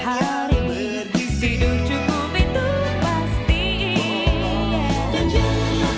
sekali lagi yang terakhir ini ber intervensi nothing but environment symbol